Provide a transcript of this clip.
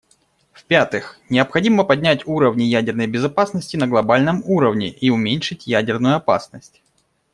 В-пятых, необходимо поднять уровни ядерной безопасности на глобальном уровне и уменьшить ядерную опасность.